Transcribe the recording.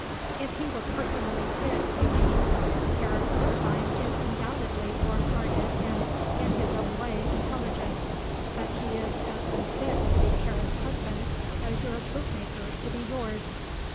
"If he were personally fit, you mean. Herr Lippheim is undoubtedly warm hearted and, in his own way, intelligent, but he is as unfit to be Karen's husband as your bootmaker to be yours."